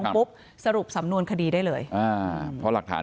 แล้วก็ช่วยกันนำนายธีรวรรษส่งโรงพยาบาล